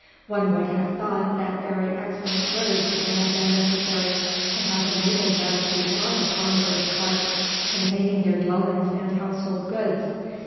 One would have thought that very excellent roads would have been necessary to have enabled them to draw the ponderous carts containing their dwellings and household goods.